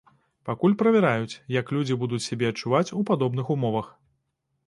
Пакуль правяраюць, як людзі будуць сябе адчуваць у падобных умовах.